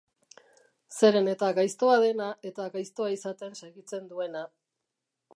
Zeren eta gaiztoa dena eta gaiztoa izaten segitzen duena.